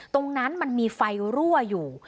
ตรงนั้นมันมีไฟรั่วอยู่